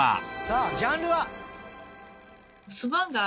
さあジャンルは？